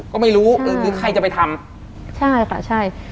ก็ไม่รู้เออคือใครจะไปทำใช่ค่ะใช่